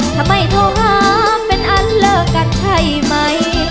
ทำไมโทรหาเป็นอันเลิกกันใช่ไหม